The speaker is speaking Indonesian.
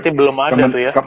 tapi belum ada tuh ya